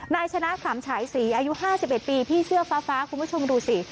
นายชนะสามฉายสีอายุห้าสิบเอ็ดปีพี่เสื้อฟ้าฟ้าคุณผู้ชมดูสิ